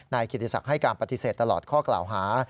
นายกิติศักดิ์ให้การปฏิเสธตลอดข้อกล่าวหา